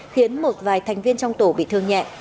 khiến một vài thành viên trong tổ bị thương nhẹ